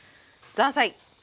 ザーサイ。